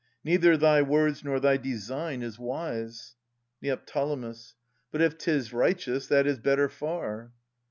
Neither thy words nor thy design is wise. Neo. But if 'tis righteous, that is better far.